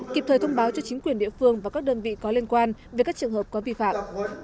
kịp thời thông báo cho chính quyền địa phương và các đơn vị có liên quan về các trường hợp có vi phạm